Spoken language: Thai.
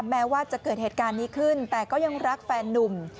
แม้ว่าจะเกิดเหตุการณ์นี้ขึ้นแต่ก็ยังรักแฟนนุ่ม